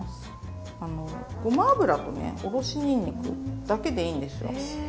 ごま油とねおろしにんにくだけでいいんですよ。